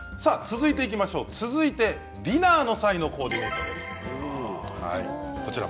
続いてディナーの際のコーデです。